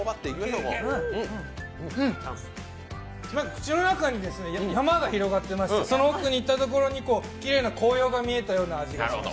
口の中にですね、山が広がってましてその奥に行ったところにきれいな紅葉が見えたような味がします。